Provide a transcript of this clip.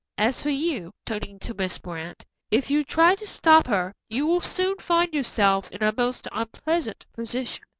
As for you," turning to Miss Brant, "if you try to stop her, you will soon find yourself in a most unpleasant position.